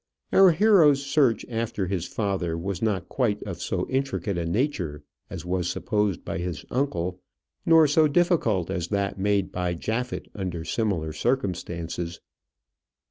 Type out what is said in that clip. Our hero's search after his father was not quite of so intricate a nature as was supposed by his uncle, nor so difficult as that made by Japhet under similar circumstances.